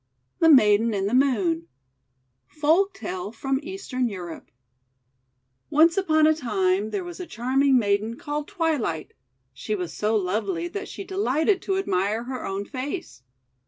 THE MAIDEN IN THE MOON Folktale from Eastern Europe ONCE upon a time, there was a charming maiden called Twilight. She was so lovely that she de lighted to admire her own face.